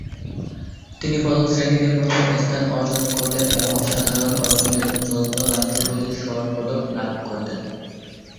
তিনি প্রথম শ্রেণিতে প্রথম স্থান অর্জন করেন এবং অসাধারণ অর্জনের জন্য রাষ্ট্রপতির স্বর্ণ পদক লাভ করেন।